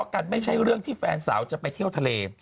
กันไม่ใช่เรื่องที่แฟนสาวจะไปเที่ยวทะเล